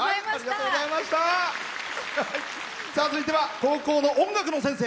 続いては、高校の音楽の先生。